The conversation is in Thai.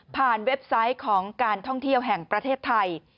เว็บไซต์ของการท่องเที่ยวแห่งประเทศไทย